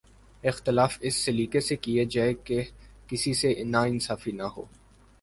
اختلاف اس سلیقے سے کیا جائے کہ کسی سے ناانصافی نہ ہو۔